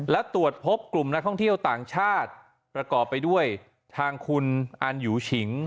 และตรวจพบกลุ่มนักท่องเที่ยวต่างชาติประกอบไปด้วยทางคุณอันยูฉิง